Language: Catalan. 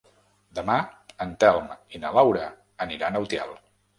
Demà en Telm i na Laura aniran a Utiel.